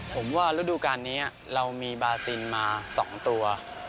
ผมว่าฤดูการนี้เรามีบาซินมา๒ตัว